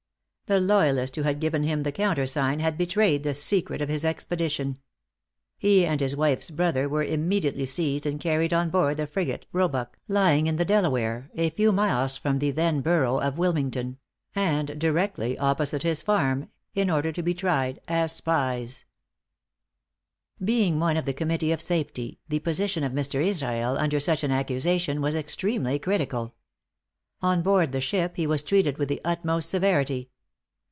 The loyalist who had given him the countersign, had betrayed the secret of his expedition. He and his wife's brother were immediately seized and carried on board the frigate Roebuck, lying in the Delaware, a few miles from the then borough of Wilmington and directly opposite his farm in order to be tried as spies. Being one of the "Committee of Safety," the position of Mr. Israel, under such an accusation, was extremely critical. On board the ship he was treated with the utmost severity.